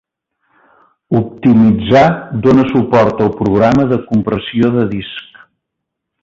Optimitzar dona suport al programa de compressió de disc.